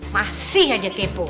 masih aja kepo